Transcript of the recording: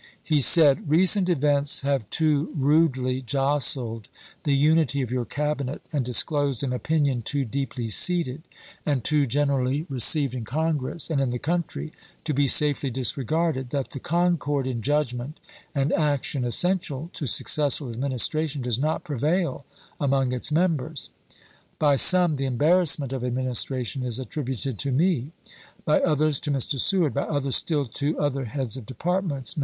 He said: Recent events have too rudely jostled the unity of your Cabinet and disclosed an opinion too deeply seated, and too generally received in Congress and in the country, to be safely disregarded, that the concord in judgment and action essential to successful administration does not prevail among its members. By some the embarrassment of administration is attributed to me ; by others, to Mr. Seward ; by others still, to other heads of Departments.